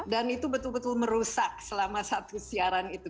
dan itu betul betul merusak selama satu siaran itu